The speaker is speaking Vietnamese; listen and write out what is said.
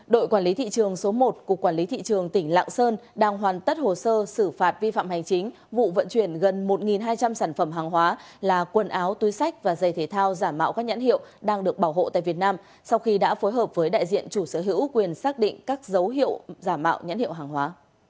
đội quản lý thị trường số một của quản lý thị trường tỉnh lạng sơn đang hoàn tất hồ sơ xử phạt vi phạm hành chính vụ vận chuyển gần một hai trăm linh sản phẩm hàng hóa là quần áo túi sách và giày thể thao giả mạo các nhãn hiệu đang được bảo hộ tại việt nam sau khi đã phối hợp với đại diện chủ sở hữu quyền xác định các dấu hiệu giả mạo nhãn hiệu hàng hóa